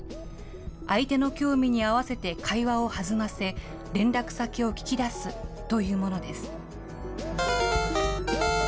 相手の興味に合わせて会話をはずませ、連絡先を聞き出すというものです。